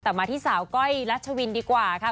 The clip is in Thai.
แต่มาที่สาวก้อยรัชวินดีกว่าค่ะ